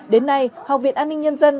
đến nay học viện an ninh nhân dân